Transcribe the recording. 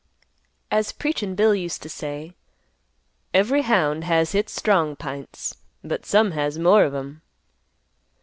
As "Preachin' Bill" used to say, "Every hound has hits strong pints, but some has more of 'em."